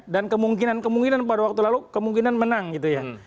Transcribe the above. dan kemungkinan pada waktu lalu kemungkinan menang gitu ya